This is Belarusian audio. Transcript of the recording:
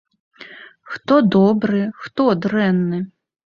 Хто добры, хто дрэнны?